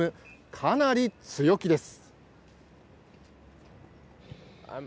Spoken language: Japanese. かなり強気です。